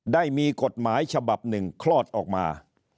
ได้มีกฎหมายฉบับหนึ่งคลอดออกมา